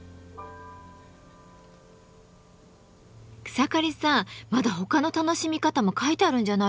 草刈さんまだ他の楽しみ方も書いてあるんじゃないですか？